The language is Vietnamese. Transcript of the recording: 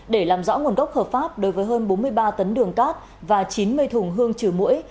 để làm rõ nguồn gốc hợp pháp đối với hơn bốn mươi ba tấn đường cát và chín mươi thùng hương trừ mũi